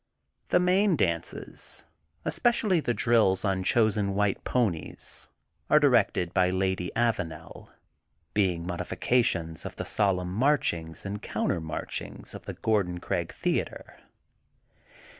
The main dances, especially the drills on chosen white ponies are directed by the Lady Avanel, being modifications of the solemn marchings and countermarchings of the Gordon Craig ^Thea tre.